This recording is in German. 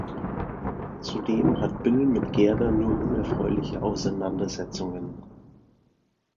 Zudem hat Bill mit Gerda nur unerfreuliche Auseinandersetzungen.